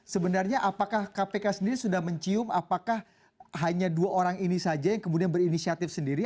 sebenarnya apakah kpk sendiri sudah mencium apakah hanya dua orang ini saja yang kemudian berinisiatif sendiri